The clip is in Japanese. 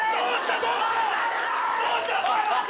どうした！？